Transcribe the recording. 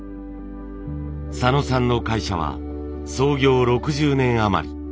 佐野さんの会社は創業６０年余り。